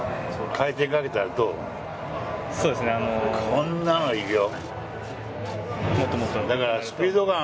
こんなんいくよ。